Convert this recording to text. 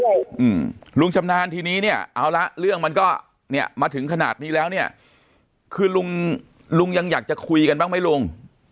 อืมลุงชำนาญทีนี้เนี่ยเอาละเรื่องมันก็เนี่ยมาถึงขนาดนี้แล้วเนี่ยคือลุงลุงยังอยากจะคุยกันบ้างไหมลุง